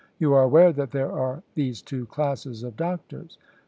You are aware that there are these two classes of doctors?